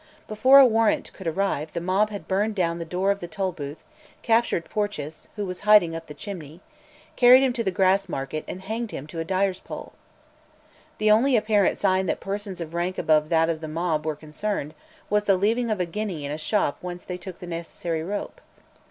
Before a warrant could arrive the mob had burned down the door of the Tolbooth, captured Porteous who was hiding up the chimney, carried him to the Grassmarket, and hanged him to a dyer's pole. The only apparent sign that persons of rank above that of the mob were concerned, was the leaving of a guinea in a shop whence they took the necessary rope.